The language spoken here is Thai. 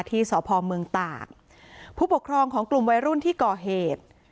ที่สพเมืองตากผู้ปกครองของกลุ่มวัยรุ่นที่ก่อเหตุ